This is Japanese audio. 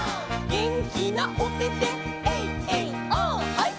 「げんきなおてて」「ハイ」「」